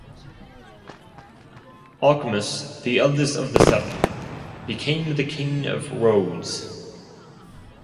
Ochimus, the eldest of the seven, became the king of Rhodes.